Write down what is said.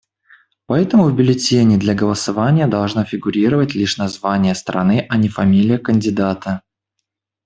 Поэтому в бюллетене для голосования должно фигурировать лишь название страны, а не фамилия кандидата.